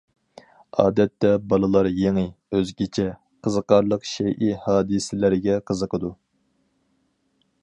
ئادەتتە بالىلار يېڭى، ئۆزگىچە، قىزىقارلىق شەيئى، ھادىسىلەرگە قىزىقىدۇ.